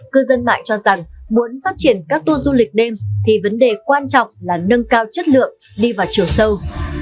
cư dân mạng cho rằng muốn phát triển các tour du lịch đêm thì vấn đề quan trọng là nâng cao chất lượng đi vào chiều sâu